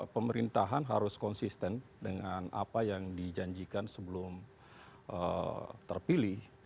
pemerintahan harus konsisten dengan apa yang dijanjikan sebelum terpilih